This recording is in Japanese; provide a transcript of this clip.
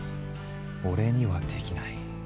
俺にはできない。